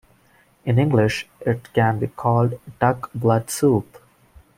In English it can be called "duck blood soup".